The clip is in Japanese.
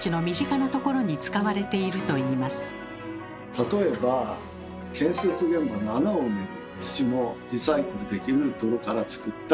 例えば建設現場の穴を埋める土もリサイクルできる泥からつくった土です。